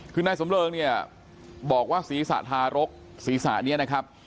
คือนายสมเริงเนี่ยบอกว่าศรีสาธารกษ์ศรีสานี้นะครับ